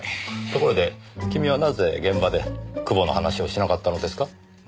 ところで君はなぜ現場で久保の話をしなかったのですか？